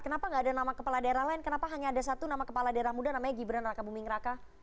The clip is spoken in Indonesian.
kenapa nggak ada nama kepala daerah lain kenapa hanya ada satu nama kepala daerah muda namanya gibran raka buming raka